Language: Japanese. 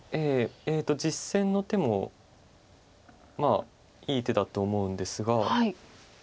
実戦の手もいい手だと思うんですが。